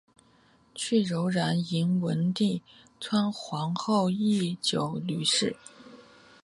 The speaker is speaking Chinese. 去柔然迎文帝悼皇后郁久闾氏。